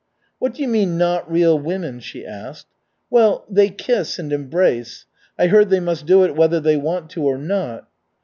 "What do you mean 'not real women?'" she asked. "Well, they kiss and embrace. I heard they must do it whether they want to or not."